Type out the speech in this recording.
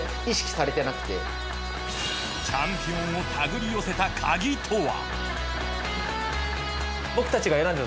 チャンピオンを手繰り寄せたカギとは？